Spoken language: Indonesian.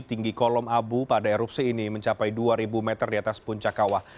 tinggi kolom abu pada erupsi ini mencapai dua ribu meter di atas puncak kawah